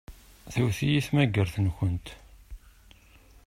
Tewwet-iyi tmagart-nkent.